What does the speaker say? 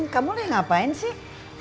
kamu udah ngapain sih